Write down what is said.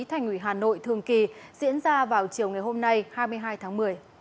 thành ủy hà nội thường kỳ diễn ra vào chiều ngày hôm nay hai mươi hai tháng một mươi